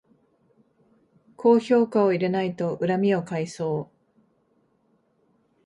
高評価を入れないと恨みを買いそう